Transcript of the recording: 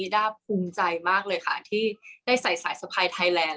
ด้าภูมิใจมากเลยค่ะที่ได้ใส่สายสะพายไทยแลนด